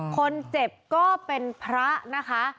คนเจ็บก็เป็นพระนะคะ